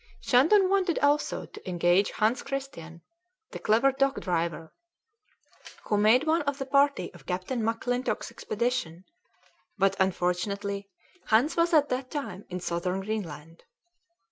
Shandon wanted also to engage Hans Christian, the clever dog driver, who made one of the party of Captain McClintock's expedition; but, unfortunately, Hans was at that time in Southern Greenland.